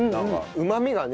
うまみがね。